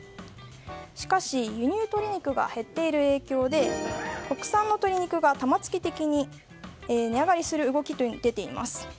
しかし輸入鶏肉が減っている影響で国産の鶏肉が玉突き的に値上がりする動きが出ています。